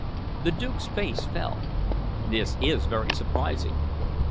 The Duke's face fell. "This is very surprising."